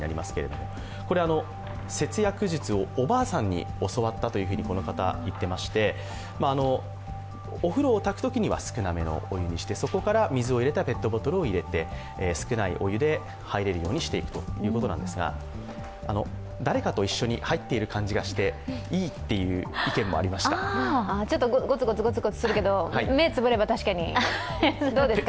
これは節約術をおばあさんに教わったというふうにこの方、言っていましてお風呂をたくときには少なめのお湯にして、そこからペットボトルに入れたお湯を入れて少ないお湯で入れるようにしていくということなんですが、誰かと一緒に入っている感じがしてちょっとゴツゴツするけど、目をつぶれば確かに、どうですか？